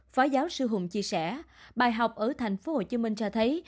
phó giáo sư hùng chia sẻ bài học ở tp hcm cho thấy